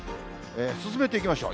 進めていきましょう。